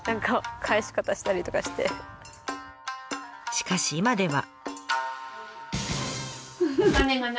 しかし今では。